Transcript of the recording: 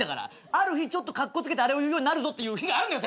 ある日ちょっとかっこつけてあれを言うようになるぞって日があるんだよ